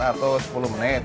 atau sepuluh menit